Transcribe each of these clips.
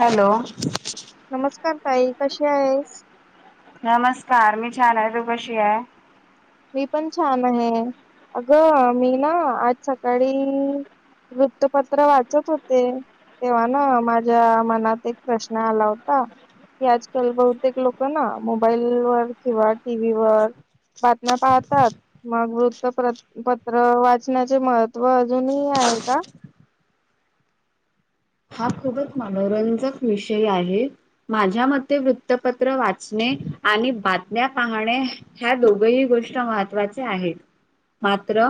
Hello नमस्कार ताई कशी आहेस नमस्कार मी छान आहे तू कशी आहे मी पण छान आहे अगं मी ना आज सकाळी वृत्तपत्र वाचत होते तेव्हा ना माझ्या मनात एक प्रश्न आला होता की आजकाल बहुतेक लोक ना मोबाईलवर किंवा टीव्हीवर बातम्या पाहतात मग वृत्तपत्र वाचनाचे महत्व अजूनही आहे का हा खूपच मनोरंजक विषय आहे माझ्या मते वृत्तपत्र वाचणे आणि बातम्या पाहणे ह्या दोघही गोष्ट महत्वाच्या आहेत मात्र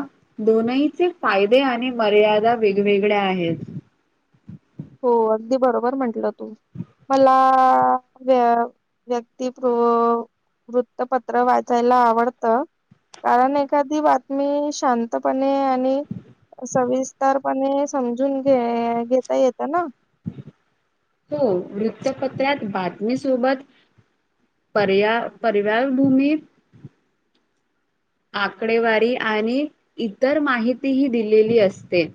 दोनहीचे फायदे आणि मर्यादा वेगवेगळ्या आहेत हो अगदी बरोबर म्हंटलं तुम्ही मला,.. व व्यक्ती [inaudible] वृत्तपत्र वाचायला आवडतं कारण एखादी बातमी शांतपणे आणि सविस्तरपणे समजून घे घेता येतं ना हो वृत्तपत्रात बातमीसोबत पर्या परिवार भूमीत आकडेवारी आणि इतर माहितीही दिलेली असते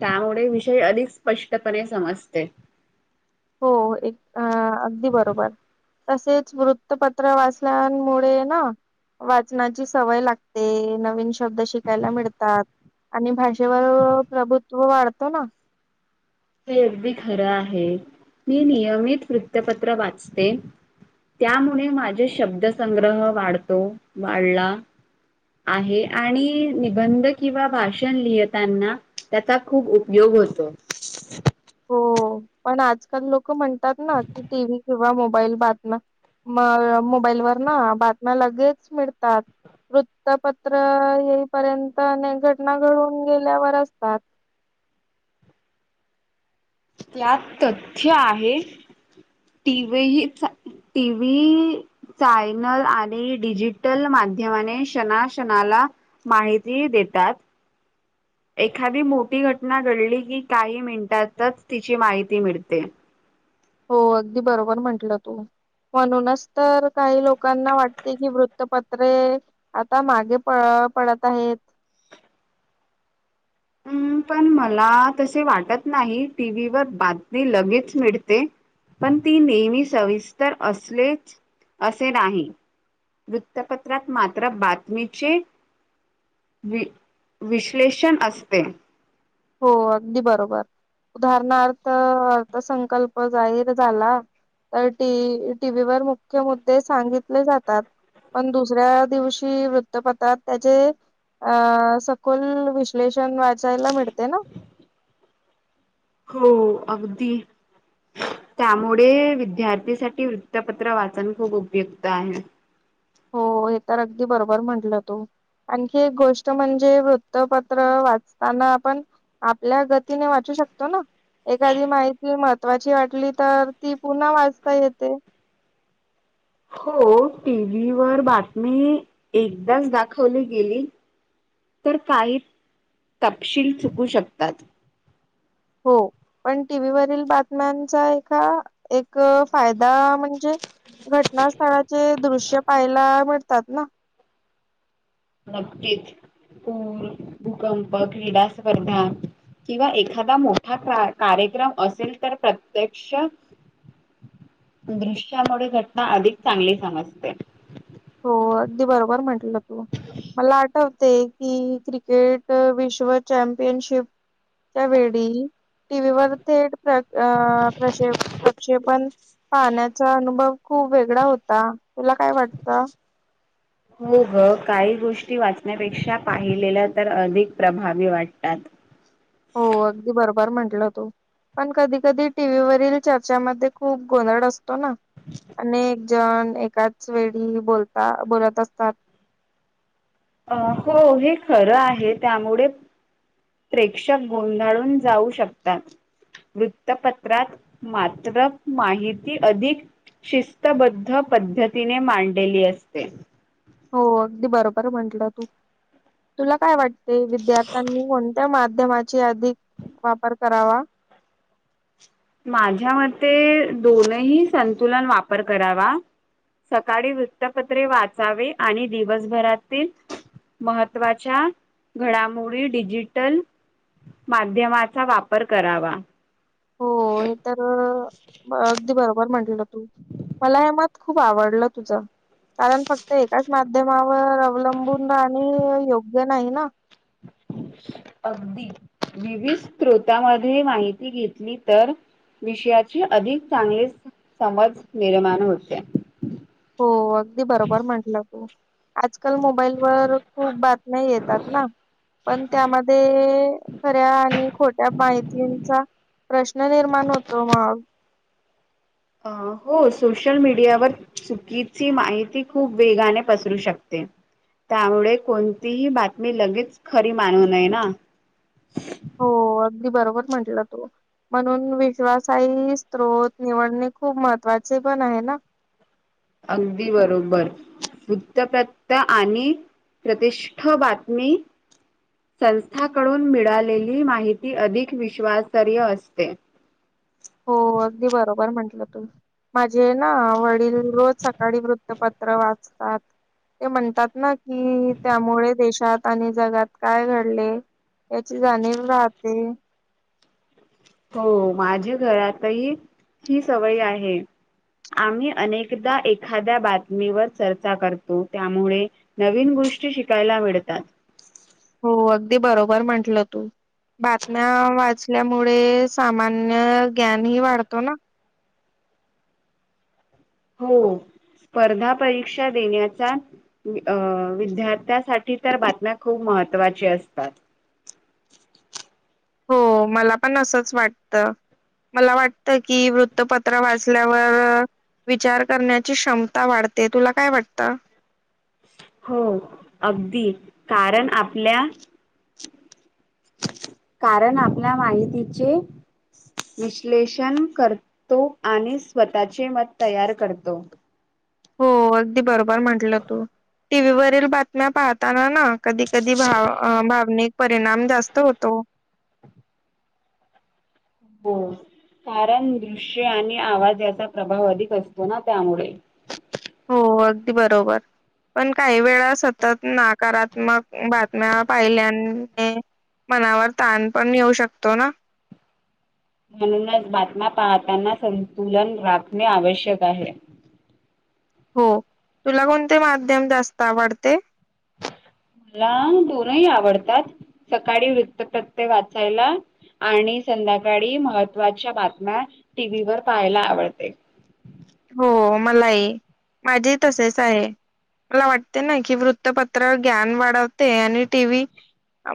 त्यामुळे विषय अधिक स्पष्टपणे समजते हो एक अ अगदी बरोबर. तसेच वृत्तपत्र वाचल्यामुळे ना वाचनाची सवय लागते नवीन श.. ब्द शिकायला मिळतात आणि भाषेवर प्रभुत्व वाढतं ना. हे अगदी खरं आहे मी नियमित वृत्तपत्र वाचते त्यामुळे माझे शब्दसंग्रह वाढतो वाढला आहे आणि निबंध किंवा भाषण लिहतांना त्याचा खूप उपयोग होतो हो पण आजकाल लोक म्हणतात ना कि टी व्ही किंवा मोबाईल बातम म मोबाईलवर ना बातम्या लगेच मिळतात. वृत्तपत्र येईपर्यंत अनेक घटना घडून गेल्या असतात. त्यात तथ्य आहे टी व्हीही टी व्ही. चायनल आणि डिजिटल माध्यमाने क्षणा क्षणाला माहिती देतात. एखादी मोठी घटना घडली की काही मिनिटातच तिची माहिती मिळते. हो अगदी बरोबर म्हंटलं तू. म्हणूनच तर काही लोकांना वाटते कि वृत्तपत्रे आता मागे प पडत आहेत. हम् पण मला तसे वाटत नाही टीव्ही वर बातमी लगेच मिळते. पण ती नेहमी सविस्तर असलेच असे नाही. वृत्तपत्रात मात्र बातमीचे वि विश्लेषण असते. हो अगदी बरोबर उदाहरणार्थ अर्थसंकल्प जाहीर झाला. तरी टीव्ही वर मुख्य मुद्दे सांगितले जातात. पण दुसऱ्या दिवशी वृत्तपतात त्याचे अ सखोल विश्लेषण वाचायला मिळत. ते ना. हो अगदी त्यामुळे विद्यार्थीसाठी वृत्तपत्र वाचन खूप उपयुक्त आहे. हो हे तर अगदी बरोबर म्हटलं तू. आणखी एक गोष्ट म्हणजे वृत्तपत्र वाचताना आपण. आपल्या गतीने वाचू शकतो ना. एखादी माहिती महत्वाची वाटली तर ती पुन्हा वाचता येते. हो टी व्हीवर बातमी एकदाच दाखवली गेली. तर काही तपशील चुकू शकतात. हो पण टीव्हीवरील बातम्यांचा एका एक. फायदा म्हणजे घटनास्थळाचे दृश्य पाहायला मिळतात ना. नक्कीच पूर, भूकंप, क्रीडा स्पर्धा किंवा एखादा मोठा कार्यक्रम असेल तर प्रत्यक्ष दृश्यामुळे घटना अधिक चांगली समजते. हो अगदी बरोबर म्हटलं तू मला आठवते. कि क्रिकेट विश्व चॅम्पियनशिपच्या वेळी टीव्ही वर थेट प्र प्रक्षेपण पाहण्याचा अनुभव खूप वेगळा होता तुला काय वाटत. हो ग काही गोष्टी वाचण्यापेक्षा पाहिलेल्या तर अधिक प्रभावी वाटतात. हो अगदी बरोबर म्हंटलं तू. पण कधी कधी टीव्ही वरील चर्चामध्ये खूप गोंधळ असतो. ना अनेक जण एकाच वेळी बोलता बोलत असतात. हो हे खरं आहे त्यामुळे प्रेक्षक गोंधळून जाऊ शकतात वृत्तपत्रात मात्र माहिती अधिक शिस्तबद्ध पद्धतीने मांडलेली असते हो अगदी बरोबर म्हंटलं तू तुला काय वाट ते विद्यार्थ्यांनी कोणत्या माध्यमाची अधिक वापर करावा. माझ्या मते दोनही संतुलन वापर करावा. सकाळी वृत्तपत्रे वाचावी, आणि दिवसभरातील महत्त्वाच्या घडामोडी डिजिटल. माध्यमाचा वापर करावा. हो हे तर अगदी बरोबर म्हटलं. तू मला हे म खूप आवडलं तुझं कारण फक्त एच माध्यमावर अवलंबून राहणे योग्य नाही ना अगदी विविध स््रोतांमध्ये माहिती घेतली तर [unintelligible] विषयाचे अधिक चांगले समज निर्माण होते [unintelligible] हो अगदी बरोबर म्हटलं तू आजकाल मोबाईलवरर खूप बातम्या येतात ना [unintelligible] पण त्यामध्ये खऱ्या आणि खोट्या माहितींचा [unintelligible] प्रश्न निर्माण होतो मग अ हो सोशल मीडियावर चुकीची माहिती खूप वेगाने पसरू शकते त्यामुळे कोणतीही बातमी लगेच खरी मानवू नये ना [unintelligible] हो अगदी बरोबर म्हटलं तो म्हणून विश्वासही स््रोत निवडणे खूप महत्त्वाचे पण आहे ना [unintelligible] अगदी बरोबर वृत्तपतत आणि [unintelligible] प्रतिष्ठा बातमी संस्थाकडून मिळालेली माहिती अधिक विश्वासारय असते [unintelligible] हो अगदी बरोबर म्हंटलं तुम माझे ना वडील रोज सकाळी वृत्तपत्र वाचतात [unintelligible] ते म्हणतात ना की त्यामुळे देशात आणि जगात काय घडले [unintelligible] याची जाणीव राहते हो माझ्या घरातही ही सवय आहे [unintelligible] आम्ही अनेकदा एखाद्या बातमीवर चर्चा करतो त्यामुळे [unintelligible] नवीन गोष्टी शिकायला मिळतात हो अगदी बरोबर म्हटलं तू बातम्या वाचल्यामुळे सामान्य ज्ञान ह वाढतो ना [unintelligible] हो स्पर्धा परीक्षा देण्याचा [unintelligible] अं विद्यार्थ्यासाठी तर बातम्या खूप महत्त्वाची असतात [unintelligible] हो मला पण असंच वाटतं मला वाटत कि वृत्तपत्र वाचल्यावर [unintelligible] विचार करण्याची क्षमता वाढते तुला काय वाटतं [unintelligible] हो अगदी कारण आपल्या [unintelligible] कारण आपल्या माहितीचे [unintelligible] विश्लेषण करतो आणि स्वतः चे मत तयार करतो हो अगदी बरोबर म्हटलं तू टी व्हीवरील बातम्या पाहताना ना कधी कधी भाव भावनिक परिणाम जास्त होतो हो कारण दृश्य आणि आवाज याचा प्रभाव अधिक असतो ना त्यामुळे हो अगदी बरोबर पण काही वेळा सतत नकारात्मक बातम्या पाहिल्याने [unintelligible] मनावर ताण पण येऊ शकतो ना म्हणूनच बातम्या पाहताना संतुलन राखणे आवश्यक आहे. [unintelligible] हो तुला कोणते माध्यम जास्त आवडते? [unintelligible] मला दोनही आवडतात सकाळी वृत्त प्रत्यय वाचायला. [unintelligible] आणि संध्याकाळी महत्त्वाच्या बातम्या टीव्हीवर पाहायला आवडते. [unintelligible] हो मलाही माझेही तसेच आहे. [unintelligible] मला वाटते ना की वृत्तपत्रावर ग्ञन वाढवते आणि टी व्ही [unintelligible]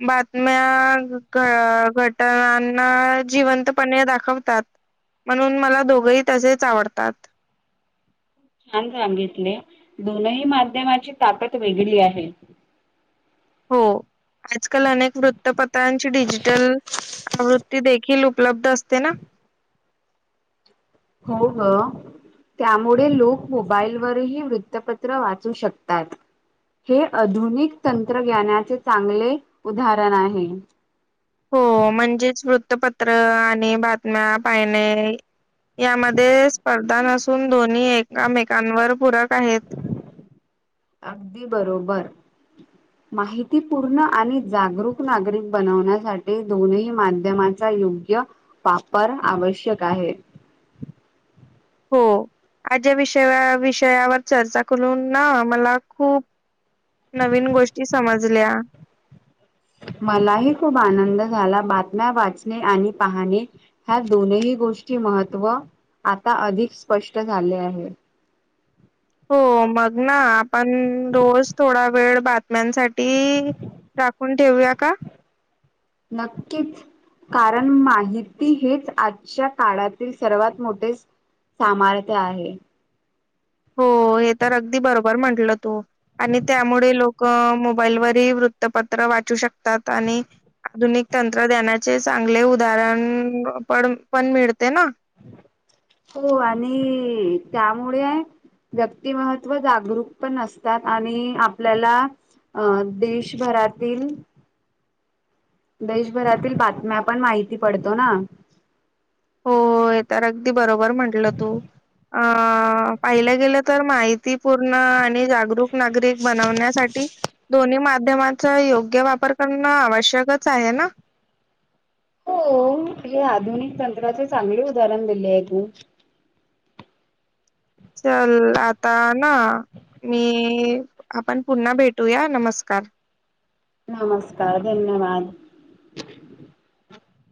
बातम्या घ घटनांना जिवंतपणे दाखवतात म्हणून मला दोघंही तसेच आवडतात छान सगितले दोनही माध्यमाची ताकद वेगळी आहे [unintelligible] हो आजकाल अनेक वृत्तपत्रांची डिजिटल [unintelligible] आवृत्ती देखील उपलब्ध असते ना हो ग त्यामुळे लोक मोबाईलवररही वृत्तपत्र वाचू शकतात. [unintelligible] हे आधुनिक तंत्रज्ञानाचे चांगले उदाहरण आहे हो... म्हणजेच वृत्तपत्र आणि बातम्या पायणे. यामध्ये स्पर्धा नसून दोन्ही एकामेकांवर पूरक आहेत. अगदी बरोबर. [inaudible] माहितीपूर्ण आणि जागरूक नागरिक बनवण्यासाठी दोनही माध्यमांचा योग्य वापर आवश्यक आहे. हो... आज ह्या विषया... विषयावर चर्चा करून ना... मला खूप नवीन गोष्टी समजल्या. मलाही खूप आनंद झाला... बातम्या वाचणे आणि पाहाणे ह्या दोनही गोष्टी महत्त्व... आता अधिक स्पष्ट झाले आहे. हो... मग ना... आपण रोज थोडा वेळ बातम्यांसाठी राखून ठेवूया का? नक्कीच. कारण माहिती हेच आजच्या काळातील सर्वात मोठे सामर्थ्य आहे. हो... हे तर अगदी बरोबर म्हटलं तू. आणि त्यामुळे लोकं... मोबाईलवरही वृत्तपत्र वाचू शकतात आणि आधुनिक तंत्रज्ञानाचे चांगले उदाहरण पड... पण मिळते ना? [inaudible] हो आणि त्यामुळे व्यक्तिमहत्व जागरूक पण असतात आणि आपल्याला अ देशभरातील देशभरातील बातम्या पण माहिती पडतो ना? हो... हे तर अगदी बरोबर म्हंटलं तू. अ... पाहिलं गेलं... तर माहितीपूर्ण आणि जागृ क नागरिक बनवण्यासाठी दोन्ही माध्यमांचा योग्य वापर करणं आवश्यकच आहे ना? हो... हे आधुनिक तंत्राचे चांगले उदाहरण दिले आहे तू. चल... आता ना मी आपण पुन्हा भेटूया नमस्कार. नमस्कार धन्यवाद.